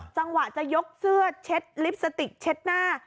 จังหวะจะยกเสื้อเช็ดลิปสติกเช็ดหน้า